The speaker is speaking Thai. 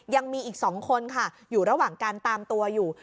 ยังมีอีก๒คนค่ะอยู่ระหว่างการตามตัวอยู่